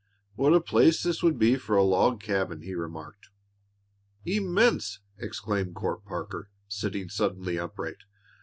"What a place this would be for a log cabin!" he remarked. "Immense!" exclaimed Court Parker, sitting suddenly upright.